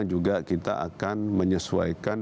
juga kita akan menyesuaikan